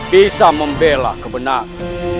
bisa membela kebenaran